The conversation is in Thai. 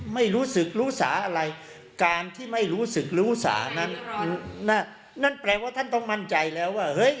ไม่รู้สึกรู้สาอะไรการที่ไม่รู้สึกรู้สานั้นนั่นแปลว่าท่านต้องมั่นใจแล้วว่าเฮ้ย